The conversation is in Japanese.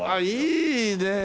いいね！